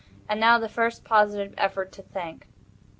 And now the first positive effort to think.